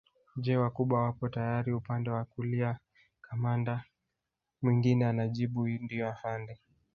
Je Wacuba wapo tayari upande wa kulia kamanda mwingine anajibu ndio afande